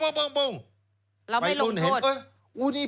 แล้วไม่ลงโทษ